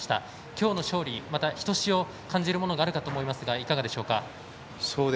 今日の勝利、またひとしお感じるものがあるかと思いますがいかがでしょうか？